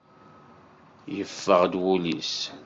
Yeffeɣ-d wul-is.